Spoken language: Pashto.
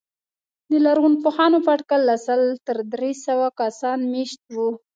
د لرغونپوهانو په اټکل له سل تر درې سوه کسان مېشت وو.